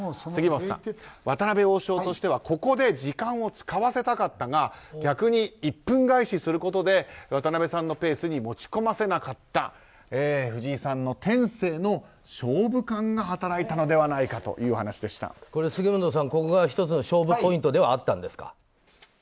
杉本さん、渡辺王将としてはここで時間を使わせたかったが逆に１分返しすることで渡辺さんのペースに持ち込ませなかった藤井さんの天性の勝負勘が働いたのではないかという杉本さん、ここが１つの勝負ポイントではあったんですか。